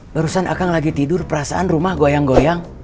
barusan akang lagi tidur perasaan rumah goyang goyang